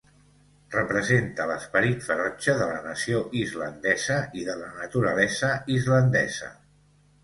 Representa l'esperit ferotge de la nació islandesa i de la naturalesa islandesa.